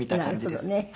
なるほどね。